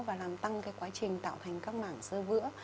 và làm tăng cái quá trình tạo thành các mảng sơ vữa